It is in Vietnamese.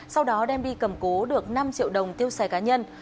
sau đó đem đi cầm cố được năm triệu đồng tiêu xài cá nhân